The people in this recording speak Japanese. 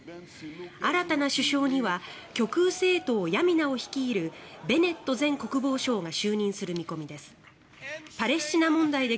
新たな首相には極右政党ヤミナを率いるベネット前国防相が就任する見込みです。